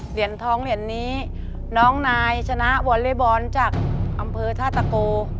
เหรียญทองเหรียญนี้น้องนายชนะวอลเล่บอลจากอำเภอท่าตะโก